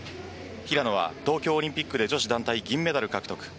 平野は東京オリンピックで女子団体銀メダル獲得。